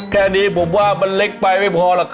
แค่นี้ผมว่ามันเล็กไปไม่พอหรอกครับ